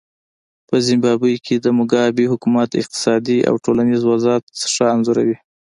په زیمبابوې کې د موګابي حکومت اقتصادي او ټولنیز وضعیت ښه انځوروي.